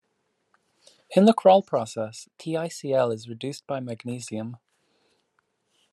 In the Kroll Process, TiCl is reduced by magnesium.